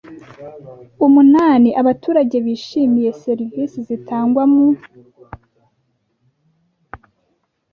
umunani abaturage bishimiye serivisi zitangwa mu